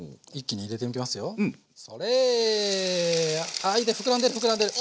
あいいね膨らんでる膨らんでる！